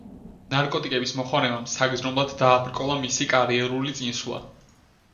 ნარკოტიკების მოხმარებამ საგრძნობლად დააბრკოლა მისი კარიერული წინსვლა.